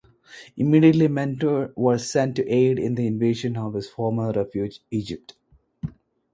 Immediately, Mentor was sent to aid in the invasion of his former refuge, Egypt.